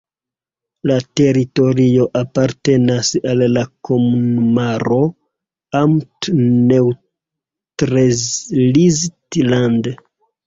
La teritorio apartenas al la komunumaro "Amt Neustrelitz-Land".